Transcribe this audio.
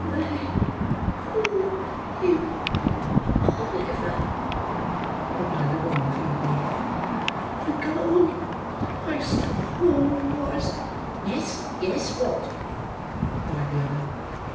"They called him Oliver," replied the woman, feebly. "The gold I stole was—" "Yes, yes—what?" cried the other.